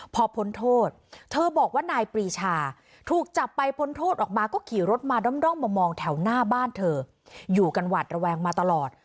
พอพ้นโทษเธอบอกว่านายปรีชาถูกจับไปพ้นโทษออกมาก็ขี่รถมาด้อมมามองแถวหน้าบ้านเธออยู่กันหวัดระแวงมาตลอด